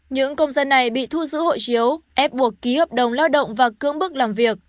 những công dân này bị thu giữ hộ chiếu ép buộc ký hợp đồng lao động và cưỡng bức làm việc